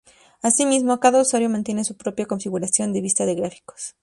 Asimismo, cada usuario mantiene su propia configuración de vista de gráficos.